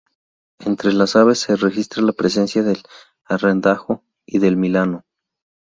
Entre las aves se registra la presencia del arrendajo y del milano.